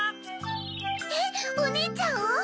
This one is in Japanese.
えっおねえちゃんを？